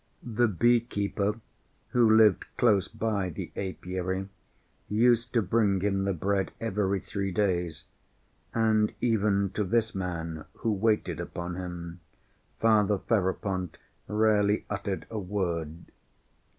The beekeeper, who lived close by the apiary, used to bring him the bread every three days, and even to this man who waited upon him, Father Ferapont rarely uttered a word.